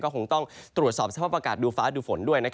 คงต้องตรวจสอบสภาพอากาศดูฟ้าดูฝนด้วย